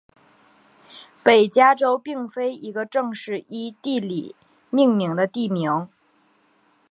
北加州并非一个正式依地理命名的地名。